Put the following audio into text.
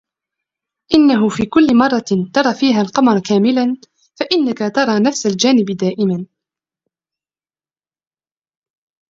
أنه في كل مرة ترى فيها القمر كاملا، فإنك ترى نفس الجانب دائماً.